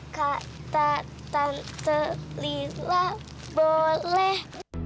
kata tante lila boleh